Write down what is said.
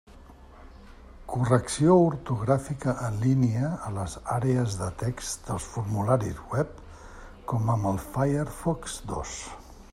Correcció ortogràfica en línia a les àrees de text dels formularis web, com amb el Firefox dos.